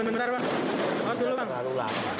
bang bang bentar bang